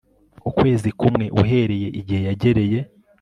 ukwezi kumwe uhereye igihe yagereye